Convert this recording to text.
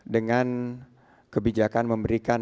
dengan kebijakan memberikan